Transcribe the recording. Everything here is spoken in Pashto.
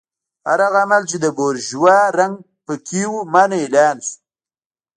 هر هغه عمل چې د بورژوا رنګ پکې و منع اعلان شو.